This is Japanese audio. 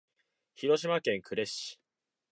広島県呉市